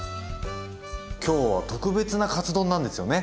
今日は特別なカツ丼なんですよね？